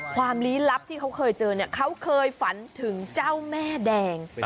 ความลี้ลับที่เขาเคยเจอเขาเคยฝันถึงเจ้าแม่แดง